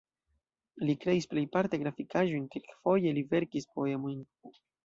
Li kreis plejparte grafikaĵojn, kelkfoje li verkis poemojn.